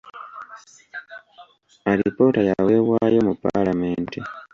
Alipoota yaweebwayo mu Paalamenti.